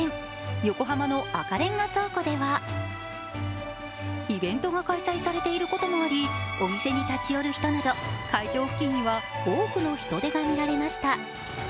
横浜の赤レンガ倉庫では、イベントが開催されていることもありお店に立ち寄る人など会場付近には多くの人出がみられました。